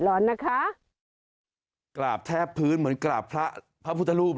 ร้อนนะคะกราบแทบพื้นเหมือนกราบพระพระพุทธรูป